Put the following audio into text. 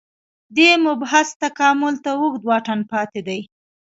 دې مبحث تکامل ته اوږد واټن پاتې دی